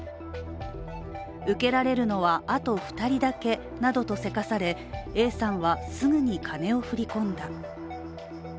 受けられるのは、あと２人だけなどとせかされＡさんはすぐに金を振り込んだ。